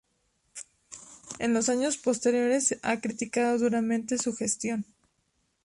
En los años posteriores ha criticado duramente su gestión.